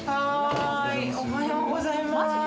おはようございます。